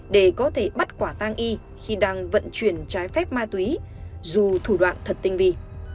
để có thể bắt quả tang y khi đang vận chuyển trái phép ma túy dù thủ đoạn thật tinh vi